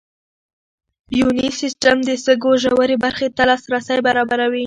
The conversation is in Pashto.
یوني سیسټم د سږو ژورې برخې ته لاسرسی برابروي.